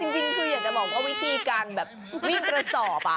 จริงคืออยากจะบอกว่าวิธีการแบบวิ่งกระสอบ